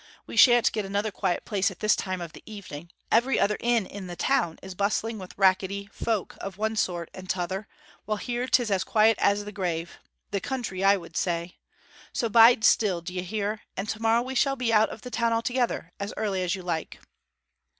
We shan't get another quiet place at this time of the evening every other inn in the town is bustling with rackety folk of one sort and t'other, while here 'tis as quiet as the grave the country, I would say. So bide still, d'ye hear, and tomorrow we shall be out of the town altogether as early as you like.'